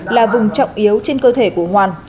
là vùng trọng yếu trên cơ thể của hoàn